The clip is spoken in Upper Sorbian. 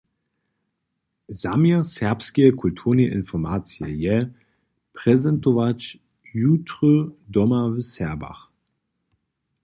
Zaměr Serbskeje kulturneje informacije je, prezentować jutry doma w Serbach.